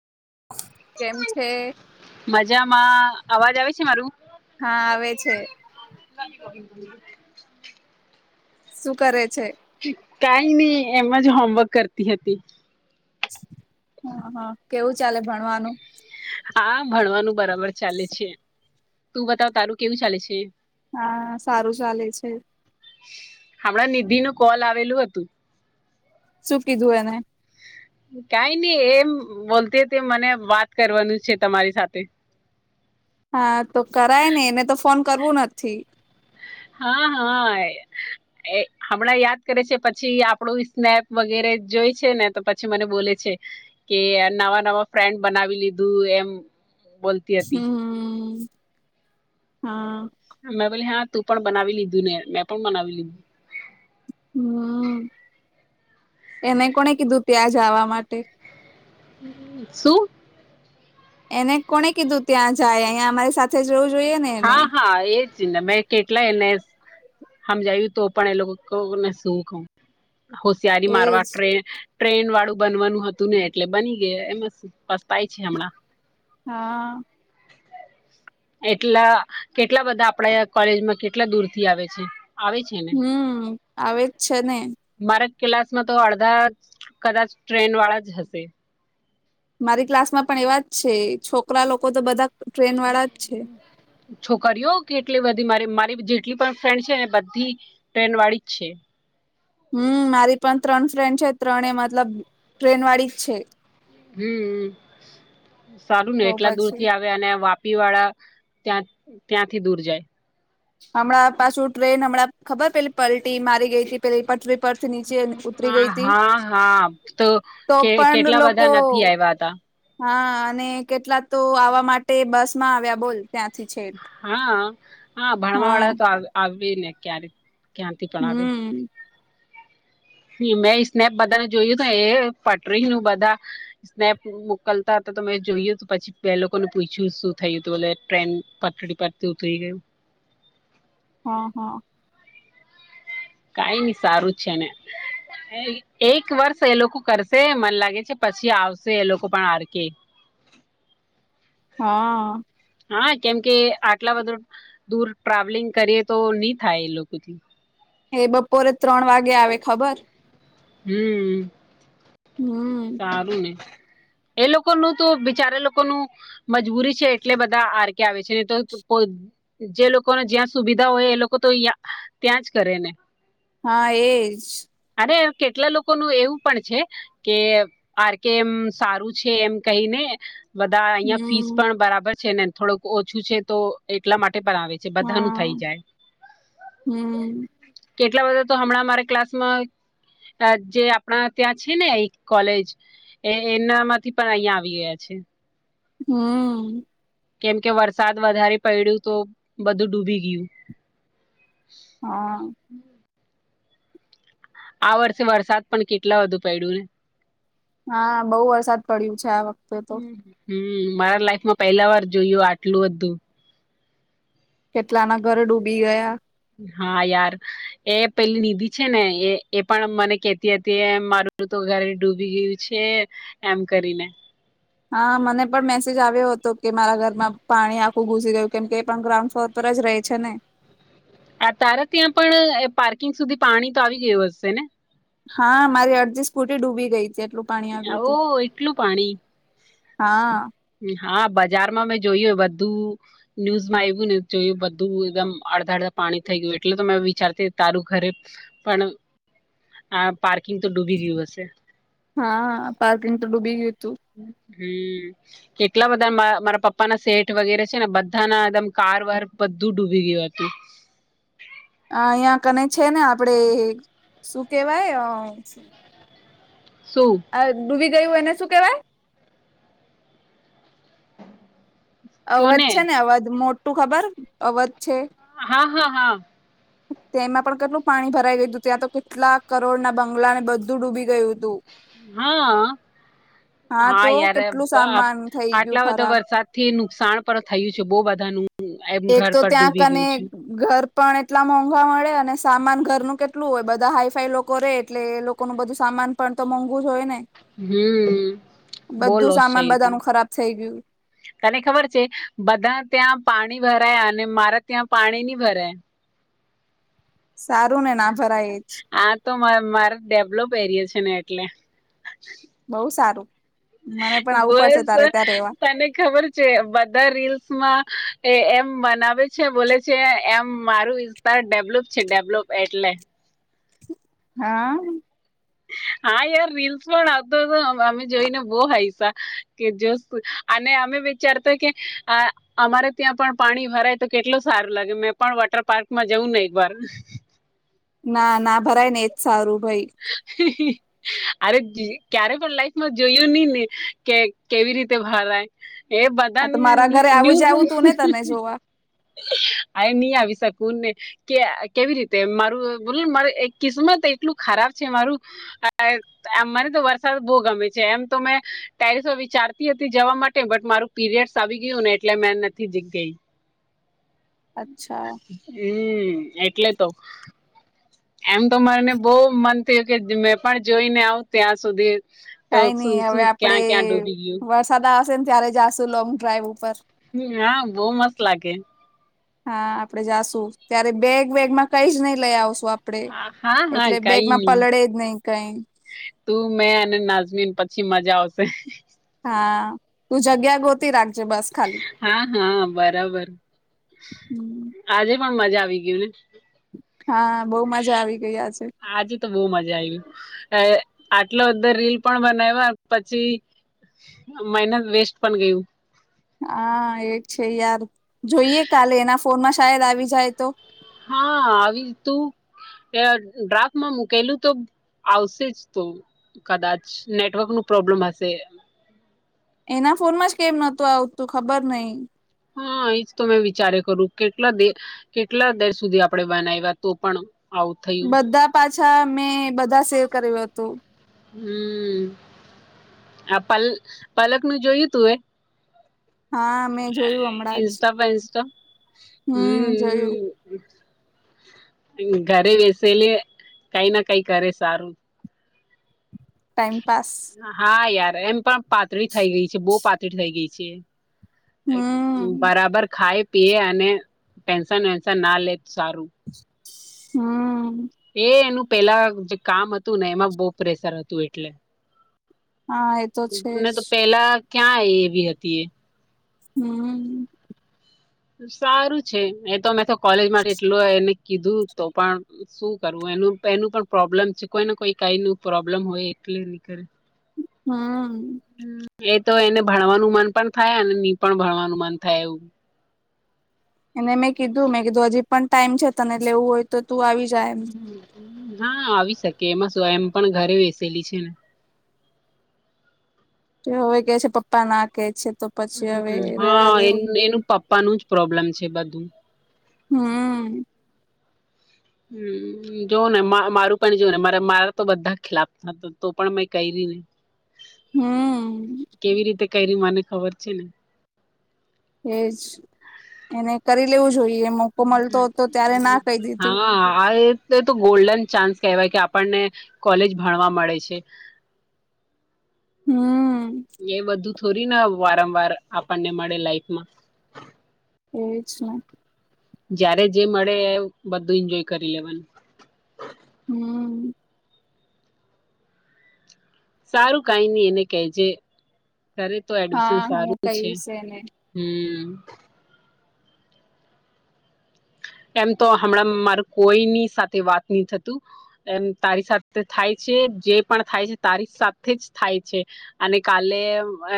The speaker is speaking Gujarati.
કેમ છે? મજામાં અવાજ આવે છે મારું? હા આવે છે. [unintelligible] શું કરે છે? કાઈ ની એમ જ હોમવર્ક કરતી હતી. હા હા કેવું ચાલે ભણવાનું? હા ભણવાનું બરાબર ચાલે છે તું બતાવ તારું કેવું ચાલે છે? હા સારું ચાલે છે. હમણાં નિધિનું કોલ આવેલું હતું. શું કીધું એને? કાઈની એ એમ બોલતી હતી મને વાત કરવાનું છે તમારી સાથે હા તો કરાય ને એને તો ફોન કરવું નથી. હા હા એ. એ હમણાં યાદ કરે છે પછી આપણું સ્નેપ વગેરે જોય છે ને તો પછી મને બોલે છે. કે નવા નવા ફ્રેન્ડ બનાવી લીધું એમ બોલ હમ્મ.... હા. મેં બોલી હા તું પણ બનાવી લીધું ને મેં પણ બનાવી લીધું. હમ્મ, એને કોણે કીધું ત્યાં જાવા માટે શું? એને કોણે કીધું ત્યાં જાય અહીંયા અમારી સાથે સાથે જવું જોઈએ ને. એને હા હા એજને મેં કેટલાય એને હમ જાયવુ તો પણ એ લોકોને શું કહુ હોશિયારી મારવા એજ ટ્રે ટ્રેન વાળું બનવાનું હતું ને એટલે બની ગયું એમાં શું પસ્તાય છે હમણાં. હાઆઆ. હ [unintelligible] એટલા કેટલા બધા આપડે કોલેજમાં કેટલા દૂર થી આવે છે આવે છે. ને હમ્મ આવે જ છે ને. મારા ક્લાસમાં તો અડધા કદાચ ટ્રેન વાળા જ હશે. મારી ક્લાસમાં પણ એવા જ છે છોકરા લોકો તો બધા ટ્રેન વાળા જ છે. છોકરીઓ કેટલી બધી મારી મારી જેટલી પણ ફ્રેન્ડ છે એ બધી ટ્રેન વાળી જ છે. હમ્મ મારી ત્રણ ફ્રેન્ડ છે ત્રણે મતલબ ટ્રેન વાળી જ છે. હમ્મ સારું ને તો એટલા દૂર પછી થી આવે અને વાપી વાળા ત્યાં ત્યાંથી દૂર જાય. હમણાં પાછું ટ્રેન હમણાં ખબર પેલી પલટી મારી ગઈ હતી પેલી પટરી પરથી નીચે ઉતરી ગઈ હતી, હા હા તો કે પણ કેટલા બધા લોકો નથી આવ્યા હતા હા અને કેટલા તો આવા માટે બસમાં આવ્યા બોલ ત્યાંથી છેક. હાઆ હા ભણવા વાળા તો આવ આવી ને ક્યારે ક્યાંથી પણ આવે. હમ મેં સ્નેપ બધાને જોયું તો એ પટરી નું બધા સ્નેપ મોકલતા હતા તો તમે જોયું પછી બે લોકોને પૂછ્યું શું થયું હતું એટલે ટ્રેન પટડી પર તુટી ગયું. હા હા. કાઈ નઈ સારું છે ને. એક વર્ષ એ લોકો કરશે મને લાગે છે પછી આવશે એ લોકો પણ આર કે. હાઅઅ. હા કેમ કે આટલા બધો દૂર ટ્રાવેલિંગ કરીએ તો નહી થાય એ લોકોથી. એ બપોરે ત્રણ વાગે આવે ખબર. હમ્મ. હમ્મ. સારું ને એ લોકો નું તો બિચારે લોકોનું મજબૂરી છે એટલે બધા આર કે આવે છે ને તો ત કોઈ જે લોકોને જ્યાં સુવિધા હોય એ લોકો તો યા ત્યાં જ કરે ને. હા એજ. અરે એમ કેટલા લોકો નું એવું પણ છે કે આર કે એમ સારું છે એમ કહીને. બધા અહિયાં ફીસ હમ પણ બરાબર છે ને થોડુંક ઓછું છે તો એટલા માટે પણ આવે. જે બધાનું થઈ હા જાય. હમ કેટલા બધા તો હમણાં મારે ક્લાસમાં આજે આપણા ત્યાં છે ને એક કોલેજ એ એના માંથી પણ અહિયાં આવી ગયા છે. હમમ. કેમ કે વરસાદ વધારે પડ્યું તો બધું ડૂબી ગયું. હા. આ વર્ષે વરસાદ પણ કેટલા વધુ પડ્યું ને, હા બહું વરસાદ પડ્યું છે આ વખતે તો હમમ મારા લાઈફમાં પેલા વાર જોયું આટલું હતું. કેટલા ના ઘર ડૂબી ગયા. હા યાર એ પેલી નિધિ છે ને એ એ પણ મને કેતી હતી એમ મારું મારું તો ઘર ડૂબી ગયું છે એમ કરીને હા મને પણ મેસેજ આવ્યો હતો કે મારા ઘરમાં પાણી આખું ઘુસી ગયું કેમ કે એ પણ ગ્રાઉન્ડ ફ્લોર પર જ રહે છે ને આ તારા ત્યાં પણ પાર્કિંગ સુધી પાણી તો આવી ગયું હશે ને. હા, મારી અડધી સ્કૂટી ડૂબી ગઈ તી. એટલું પાણી ને આવ્યું ઓ હતું. એટલું હા. એ હા, બજારમાં મેં જોયું એ બધું ન્યૂઝમાં આવ્યું ને જોયું બધું એકદમ અડધા- અડધા પાણી થઈ ગયું એટલે તો મે વિચારતી તારું ઘરે પણ આ પાર્કિંગ તો ડૂબી ગયું હશે. હા, પાર્કિંગ તો ડૂબી ગયું તું. હમ. કેટલા બધા મારા મારા પપ્પા ના સેઠ વગેરે છે ને બધા ના આમ કાર વાર બધું ડૂબી ગયું હતું. અહિયાં કને છે ને આપડે શું કેવાય અ? શું. અ ડૂબી ગયું એને શુ કેવાય? અવધ કોને છે ને અવધ મોટું ખબર અવધ છે. હા- હા- હા. તેમાં પણ કેટલું પાણી ભરાઈ ગયું હતું ત્યાં તો કેટલા કરોડના બંગલા ને બધું ડૂબી ગયું તું. હાઆ, હા તો યાર કેટલું સામાન થઈ ગયું આટલા બધો ખરાબ વરસાદ. થી નુકસાન પણ થયું છે બો બધા નુ એમ એક ઘર તો પર ત્યાં ડૂબી કને ગયું છે. ઘર પણ એટલા મોંઘા મળે અને સામાન ઘરનું કેટલું હોય બધા હાઈ ફાઈ લોકો રે એટલે એ લોકો કો નું બધું સામાન પણ તો મોંઘુ જ હોય ને. હમ બહુ બધું લોસ સામાન થયું બધા હતું નુ ખરાબ થઇ ગીયું. તને ખબર છે. બધા ત્યાં પાણી ભરાયા અને મારા ત્યાં પાણી ની ભરાયા. સારું ને નામ આ તો માર મારે ડેવલોપ એરિયો છે ને એટલે. બહુ સારું. મને પણ આવું પડશે બસ તારે ત્યાં રેવા તને ખબર. છે. બધા રીલ્સમાં એ એમ બનાવે છે, બોલે છે એમ મારું પણ ડેવલોપ છે ડેવલોપ એટલે. હા. હા, યાર રીલ્સ પણ આવતો હતો અમે જોઈને બો હાઈસા કે જો અને અમે વિચારતા કે આ અમારે ત્યાં પણ પાણી ભરાય તો કેટલું સારું લાગે મેં પણ વોટર પાર્કમાં જવું નહિ પર. ના, ના ભરાય ને એ જ સારું ભાઈ. હ. [unintelligible] અરે ક્યારે પણ લાઈફમાં જોયું નહી ને કે કેવી રીતે ભરાય. એ આ તો બધાને મારા ઘરે આવું જ આવું ન્યૂઝ. તું ને તને જોવા આય ની આવી શકુંને. કે કેવી રીતે મારું બોલને મારે એક કિસ્મત એટલું ખરાબ છે મારું. હ. [unintelligible] તો આમ મને તો વરસાદ બહુ ગમે છે. એમ તો મેં ટેરિસો વિચારતી હતી જવા માટે બટ મારું. પીરિયડ્સ આવી ગયું ને એટલે મે નથી જીગ ગઈ. અચ્છા. હમ, એટલે તો. એમ તો મને બહુ મન થયું કે મેં પણ જોઈને આવ ત્યાં સુધી. તો કઈ શું નહી શું હવે આપડે ક્યાં ક્યાં ડૂબી ગયું વરસાદ આવશે ને ત્યારે જાશુ લોંગ ડ્રાઈવ ઉપર. હ, હા બહુ મસ્ત લાગે. હા આપડે જાશું, ત્યારે બેગ બેગ માં કઈ જ નઈ લઈ આવશું આપ આપડે હા હા એટલે કઈ બેગમાં નહી પલળે જ નહી કઈ. તું મેં અને નાઝમીન પછી મજા આવશે. હા તું જગ્યા ગોતી રાખજે બસ. ખાલી હા હા બરાબર હમ આજે પણ મજા આવી ગયું ને? હા બહુ મજા આવી ગય આજે. આજે તો બહુ મજા આવી. આટલા બધા રીલ પણ બનાવ્યા પછી મહેનત વેસ્ટ પણ ગયું. હા એ છે યાર જોઈએ કાલે એના ફોનમાં શાયદ આવી જાય તો? હા આવી તો યાર ડ્રાફ્ટ મા મુકેલૂ તો આવશે જ તો. કદાચ નેટવર્ક નું પ્રોબ્લેમ હશે? એના ફોન માં જ કેમ નોતું આવતું ખબર નહિ? હા એજ તો મેં વિચારે કરું કેટલા દે કેટલા દેર સુધી આપણે બનાવ્યા તો પણ આવું થયું બધા પાછા મેં બધા સેવ કર્યું હતું. હમ આ પલ પલક નું જોયું તું એ? હા મે ઇન્સ્ટા [unintelligible] હમ જોયું ઘરે બેસેલી કઈ ના કઈ કરે સારું. ટાઇમપાસ હા યાર એમ પણ પાતળી થઇ ગઈ છે બહુ પાતળી થઇ ગઈ છે. હમ બરાબર ખાય તે અને ટેન્શન વેન્શન ના લે સારું. હમ એ એનું પેલા જે કામ હતું ને એમાં બહુ પ્રેશર હતું એટલે. હા તો છે મે જ તો પેલા ક્યાં એવી હતી એ? હમ સારું છે મેતો મેતો કોલેજ માટે એટલું એને [unintelligible] કીધું તો પણ શું કરવું એનું એનું પણ પ્રોબ્લેમ છે. કોઈને કોઈ કાઈનું પ્રોબ્લેમ હોય. ક્લિયર ની કરે. હા એ તો એને ભણવાનું મન પણ થાય અને ની પણ ભણવાનું મન થાય એવું. એને મેં કીધું મેં કીધું હજી પણ ટાઈમ છે તને લેવુ હોય તો તું આવીજા એમ. હા આવી શકે એમાં શું એમ પન ઘરે બેસેલી છે ને. તો હવે ઈકે છે પપ્પા ના કે છે તો પછી હવે રેવા હા એન દેવું એનું પપ્પાનું જ પ્રોબ્લેમ છે બધું. હમ હમ જો ને મારું પણ જોને મારે મારા તો બધા ખિલાફ હતા તો પણ મેં કઈરી ને. હમ કેવી રીતે કઈરી મને ખબર છે ને. એજ. એને કરી લેવું જોઈએ મો હા આએ એટલે તો ગોલ્ડન ચાન્સ કહેવાય કે આપણને કોલેજ ભણવા મળે છે. હમ એ બધું થોડીના વારંવાર આપણને મળે લાઈફમાં. એજ ને. જયારે જે મળે એ બધું ઈન્જોય કરી લેવાનું. હમ સારું કાઈ ની એને કેજે કરે તો એડીશન હા હું સારું છે. કહીશ એને હમ એમ તો હમણાં માર કોઈની સાથે વાત નહી થતું. એમ તારી સાથે થાય છે જે પણ થાય છે તારી સાથે જ થાય છે. અને કાલે અ